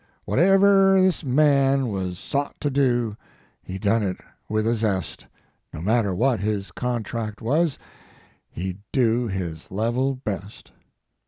Whatever this man was sot to do, He done it with a zest; No matter what his contract was, He d do his level best.